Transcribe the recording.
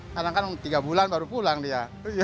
kadang kan tiga bulan baru pulang dia